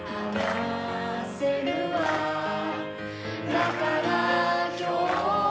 「だから今日は」